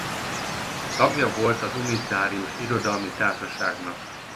Tagja volt az Unitárius Irodalmi Társaságnak.